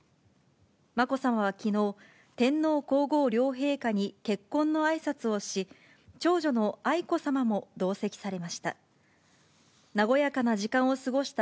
まこさまはきのう、天皇皇后両陛下に結婚のあいさつをし、長女の愛子さまも同席されました。